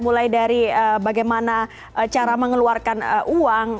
mulai dari bagaimana cara mengeluarkan uang